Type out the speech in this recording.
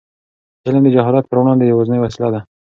علم د جهالت پر وړاندې یوازینۍ وسله ده.